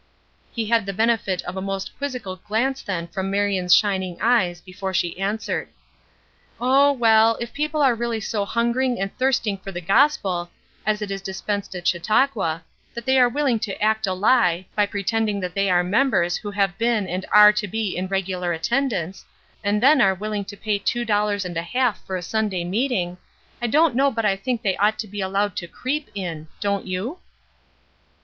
He had the benefit of a most quizzical glance then from Marion's shining eyes before she answered. "Oh, well, if the people are really so hungering and thirsting for the gospel, as it is dispensed at Chautauqua, that they are willing to act a lie, by pretending that they are members who have been and are to be in regular attendance, and then are willing to pay two dollars and a half for the Sunday meeting, I don't know but I think they ought to be allowed to creep in. Don't you?"